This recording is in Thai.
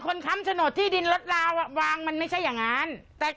คนคำสนดที่ดินรถราวะวางมันไม่ใช่อย่างงาน